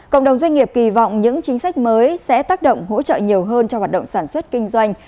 cộng đồng doanh nghiệp kỳ vọng những chính sách mới sẽ tác động hỗ trợ nhiều hơn cho hoạt động sản xuất kinh doanh